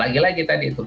lagi lagi tadi itu